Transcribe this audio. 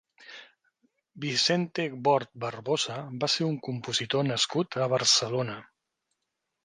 Vicente Bort Barbosa va ser un compositor nascut a Barcelona.